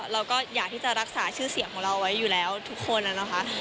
เราก็อยากที่จะรักษาชื่อเสียงของเราไว้อยู่แล้วทุกคนนะคะ